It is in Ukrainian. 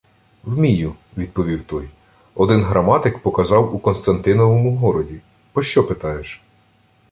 — Вмію, — відповів той. — Один граматик показав у Константиновому городі. Пощо питаєш?